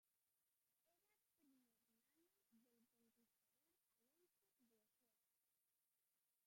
Era primo hermano del conquistador Alonso de Ojeda.